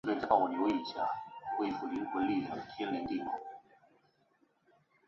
王竹怀生于清朝光绪十二年。